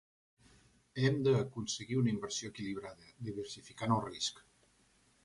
Hem d"aconseguir una inversió equilibrada diversificant el risc.